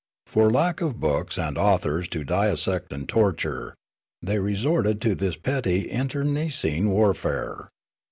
For lack of books and authors to dissect and torture, they resorted to this petty internecine warfare.